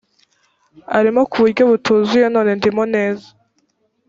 arimo ku buryo butuzuye none ndimo neza